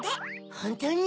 ホントに？